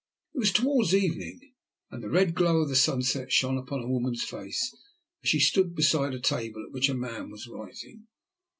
It was towards evening, and the red glow of the sunset shone upon a woman's face, as she stood beside the table at which a man was writing.